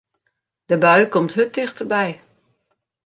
De bui komt hurd tichterby.